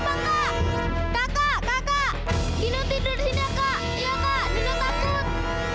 hai kau bisa terbang kakak kakak kakak kino tidur sini kak iya kak di takut